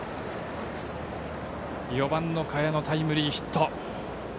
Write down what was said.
４番、賀谷のタイムリーヒット。